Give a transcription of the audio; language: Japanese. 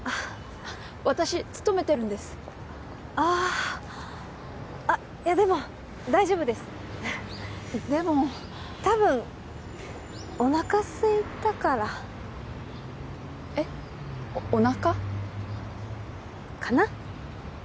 私勤めてるんですあああっでも大丈夫ですでもたぶんおなかすいたからえっおなか？かな？